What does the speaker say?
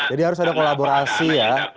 jadi harus ada kolaborasi ya